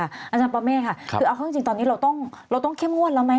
อาจารย์ปรเมฆค่ะคือเอาเข้าจริงตอนนี้เราต้องเข้มงวดแล้วไหม